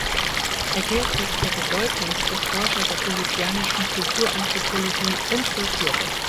Er gilt als der bedeutendste Forscher der bolivianischen Kulturanthropologie und Folklore.